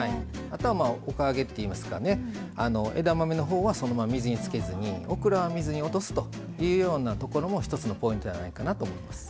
あとはおか上げっていいますか枝豆のほうはそのまま水につけずにオクラは水に落とすというようなところも一つのポイントやないかなと思います。